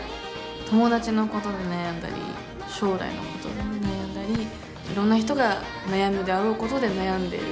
友達のことで悩んだり将来のことで悩んだりいろんな人が悩むであろうことで悩んでいる。